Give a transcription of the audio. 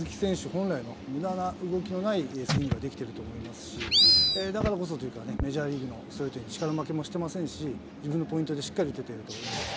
本来のむだな動きのないスイングができてると思いますし、だからこそというかね、メジャーリーグの選手に力負けもしてませんし、自分のポイントでしっかり打ててると思います。